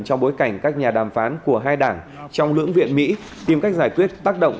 trong bối cảnh các nhà đàm phán của hai đảng trong lưỡng viện mỹ tìm cách giải quyết tác động